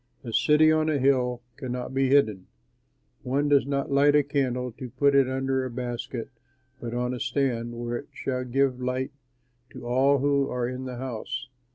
A city on a hill cannot be hidden. One does not light a candle to put it under a basket but on a stand, where it shall give light to all who are in the house.